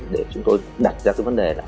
để chúng tôi đặt ra cái vấn đề